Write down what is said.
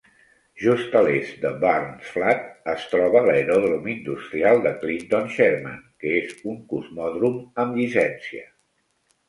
Just a l'est de Burns Flat es troba l'Aeròdrom Industrial de Clinton-Sherman, que és un cosmòdrom amb llicència.